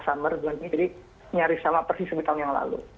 jadi nyaris sama persis sebulan yang lalu